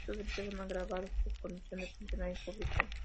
Estos delitos son agravados por su condición de funcionario público.